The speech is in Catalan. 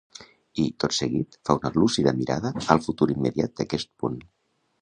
I, tot seguit, fa una lúcida mirada al futur immediat d’aquest punt.